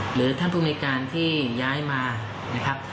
หรือท่านภูมิในการที่ย้ายมานะครับ